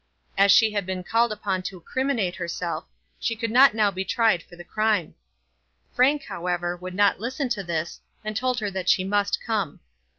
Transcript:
As she had been called upon to criminate herself, she could not now be tried for the crime. Frank, however, would not listen to this, and told her that she must come.